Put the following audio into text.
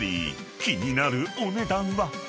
［気になるお値段は］